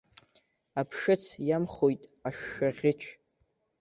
Аԥшыц иамхоит ашшаӷьыч.